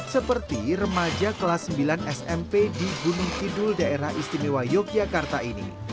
seperti remaja kelas sembilan smp di gunung kidul daerah istimewa yogyakarta ini